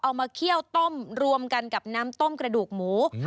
มาเคี่ยวต้มรวมกันกับน้ำต้มกระดูกหมู